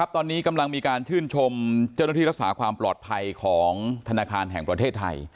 ตอนนี้กำลังมีการชื่นชมเจ้าหน้าที่รักษาความปลอดภัยของธนาคารแห่งประเทศไทย